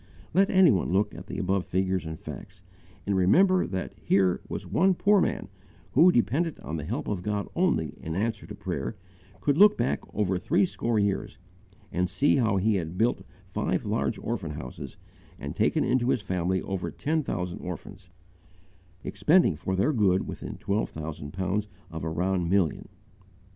Let any one look at the above figures and facts, and remember that here was one poor man who, dependent on the help of God only in answer to prayer, could look back over threescore years and see how he had built five large orphan houses and taken into his family over ten thousand orphans, expending, for their good, within twelve thousand pounds of a round million.